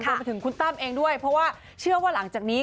รวมไปถึงคุณตั้มเองด้วยเพราะว่าเชื่อว่าหลังจากนี้